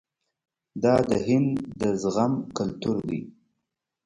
دا د هند د زغم کلتور دی.